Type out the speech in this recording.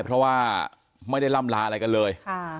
เพราะว่าไม่ได้ล่ำลาอะไรกันเลย